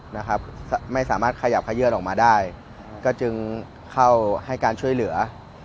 นะครับไม่สามารถขยับขยื่นออกมาได้ก็จึงเข้าให้การช่วยเหลือ